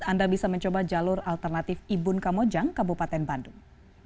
anda bisa mencoba jalur alternatif ibun kamojang kabupaten bandung